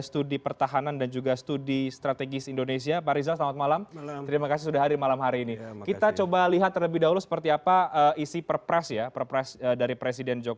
tentang susunan organisasi tni